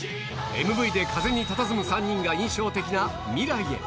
ＭＶで風にたたずむ３人が印象的な、未来へ。